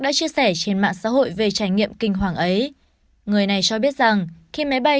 đã chia sẻ trên mạng xã hội về trải nghiệm kinh hoàng ấy người này cho biết rằng khi máy bay